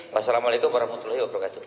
wassalamu'alaikum warahmatullahi wabarakatuh